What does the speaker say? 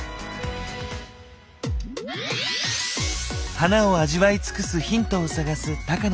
花を味わい尽くすヒントを探す高野さん。